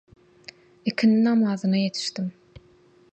Ikindi namazyna ýetişdim.